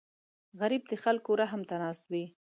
غریب د خلکو رحم ته ناست وي